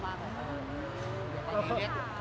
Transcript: อย่างนี้เปิลเครื่องนะ